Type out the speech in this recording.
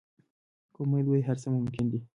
که امید وي، هر څه ممکن دي.